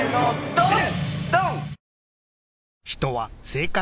ドン！